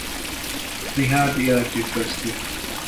Richard életét veszti.